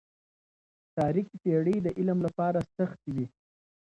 تاريکي پېړۍ د علم لپاره سختې وې.